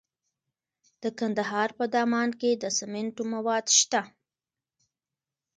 د کندهار په دامان کې د سمنټو مواد شته.